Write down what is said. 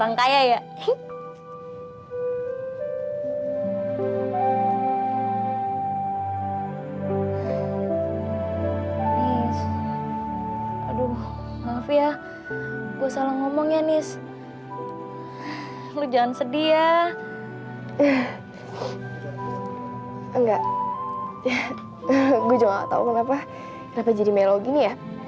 gue juga gak tau kenapa jadi melo gini ya